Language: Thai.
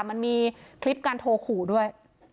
มันมีคลิปการโทรขู่ด้วย